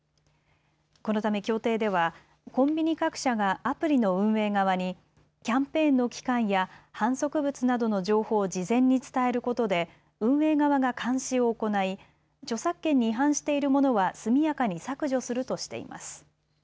このため協定ではコンビニ各社がアプリの運営側にキャンペーンの期間や販促物などの情報を事前に伝えることで運営側が監視を行い著作権に違反しているものは速やかに削除するとしています。